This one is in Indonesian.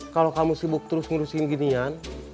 kalau kamu sibuk terus ngurusin ginian